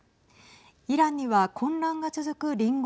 イランには混乱が続く隣国